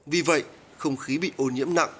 vì vậy không khí bị ô nhiễm nặng